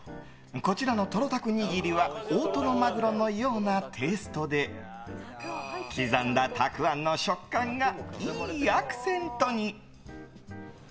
こちらのトロたく握りは大トロマグロのようなテイストで刻んだたくあんの食感がいいアクセントに。